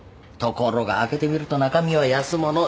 ところが開けてみると中身は安物。